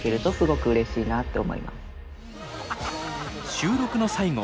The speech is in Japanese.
収録の最後